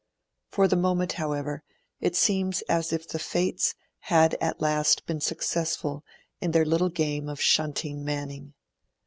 For the moment, however, it seemed as if the Fates had at last been successful in their little game of shunting Manning.